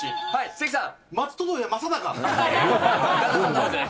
関さん。